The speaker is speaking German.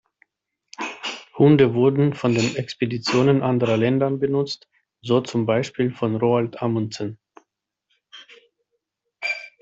Hunde wurden von den Expeditionen anderer Ländern benutzt, so zum Beispiel von Roald Amundsen.